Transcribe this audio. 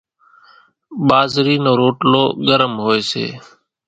ٻازرِي نو روٽلو ڳرم هوئيَ سي۔